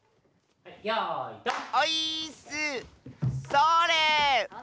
それ！